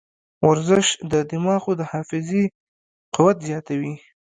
ورزش د دماغو د حافظې قوت زیاتوي.